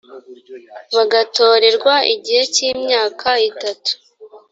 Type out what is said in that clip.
bagatorerwa igihe cy imyaka itatu